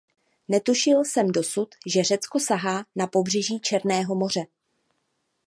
Netušil jsem dosud, že Řecko sahá na pobřeží Černého moře.